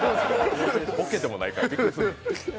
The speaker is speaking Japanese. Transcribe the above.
ボケてもないからびっくりする。